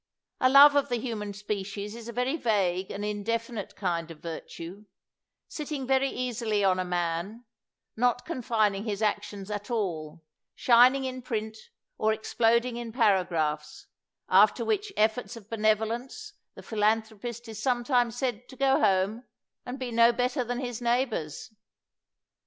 A love of the human species is a very vague and indefinite kind of virtue, sitting very easily on a man, not confining his actions at all, shining in print, or exploding in paragraphs, after which efforts of benevolence the philanthropist is some times said to go home and be no better than his neighbors.